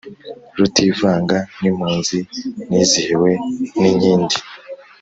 rutivanga n'impunzi nizihiwe n'inkindi;